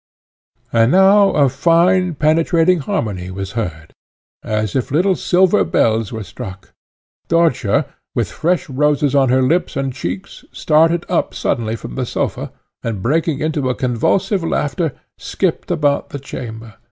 And now a fine, penetrating harmony was heard, as if little silver bells were struck. Dörtje, with fresh roses on her lips and cheeks, started up suddenly from the sofa, and, breaking into a convulsive laughter, skipt about the chamber.